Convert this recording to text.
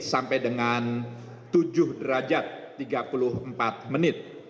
sampai dengan tujuh derajat tiga puluh empat menit